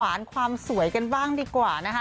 ความสวยกันบ้างดีกว่านะคะ